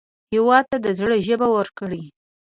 هېواد ته د زړه ژبه ورکړئ